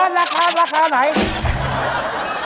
ราคาติด